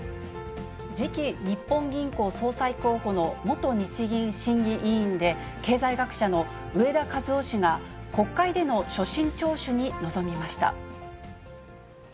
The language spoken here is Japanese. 次期日本銀行総裁候補の元日銀審議委員で経済学者の植田和男氏が、国会での所信聴取に臨みました。